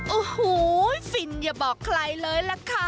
โอ้โหฟินอย่าบอกใครเลยล่ะค่ะ